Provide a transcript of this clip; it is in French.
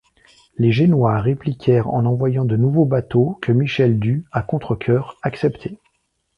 Les Génois répliquèrent en envoyant de nouveaux bateaux que Michel dut, à contrecœur, accepter.